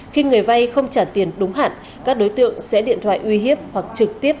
khi người vay không trả tiền đúng hạn các đối tượng sẽ điện thoại uy hiếp hoặc trực tiếp